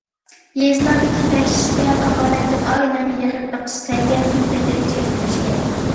يېزىلاردىكى بەشتە كاپالەتلىك ئائىلىلەرنى يىغىپ بېقىش سەۋىيەسىنى تەدرىجىي ئۆستۈرۈش كېرەك.